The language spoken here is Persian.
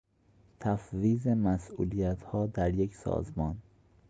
تفویض مسئولیتها در یک سازمان